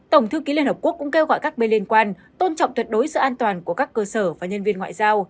tổng thư ký liên hợp quốc cũng kêu gọi các bên liên quan tôn trọng tuyệt đối sự an toàn của các cơ sở và nhân viên ngoại giao